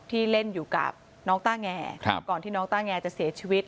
ที่เล่นอยู่กับน้องต้าแงก่อนที่น้องต้าแงจะเสียชีวิต